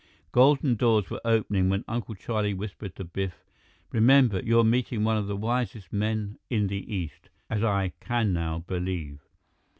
Golden doors were opening when Uncle Charlie whispered to Biff, "Remember, you're meeting one of the wisest men in the East, as I can now believe.